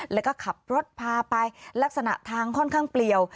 แล้วก็ขับรถพาไปลักษณะทางค่อนข้างเปลี่ยว